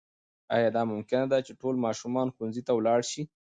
آیا دا ممکنه ده چې ټول ماشومان ښوونځي ته ولاړ سي؟